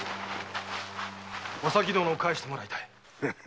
お咲殿を返してもらいたい。